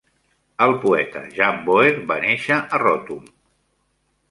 El poeta Jan Boer va néixer a Rottum.